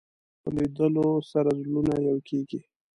په لیدلو سره زړونه یو کېږي